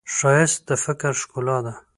ښایست د فکر ښکلا ده